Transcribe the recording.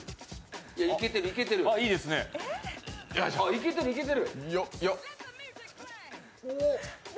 いけてる、いけてる。